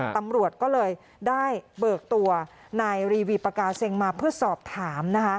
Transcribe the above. ตำรวจก็เลยได้เบิกตัวนายรีวีปากาเซ็งมาเพื่อสอบถาม